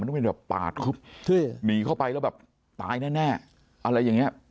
ต้องเป็นแบบปาดทึบหนีเข้าไปแล้วแบบตายแน่อะไรอย่างเงี้ย